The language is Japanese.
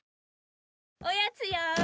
おやつよ。